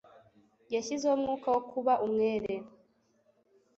Yashyizeho umwuka wo kuba umwere.